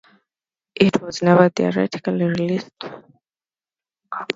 It was never theatrically released.